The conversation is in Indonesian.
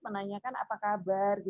menanyakan apa kabar